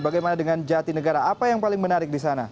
bagaimana dengan jatinegara apa yang paling menarik di sana